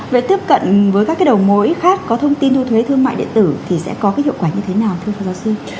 vậy tiếp cận với các cái đầu mối khác có thông tin thu thuế thương mại điện tử thì sẽ có cái hiệu quả như thế nào thưa phó giáo sư